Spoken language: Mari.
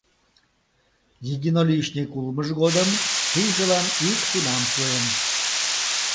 Единоличник улмыж годым пийжылан ик тунам пуэн.